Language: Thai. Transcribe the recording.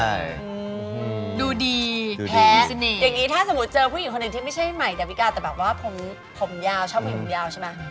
อืมดูดีแพ้อย่างนี้ถ้าสมมติเจอผู้หญิงคนอื่นที่ไม่ใช่ให้ใหม่แบบพี่กาแต่แบบว่าผมผอมยาวชอบผอมยาวใช่ไหม